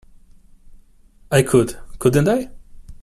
I could, couldn't I?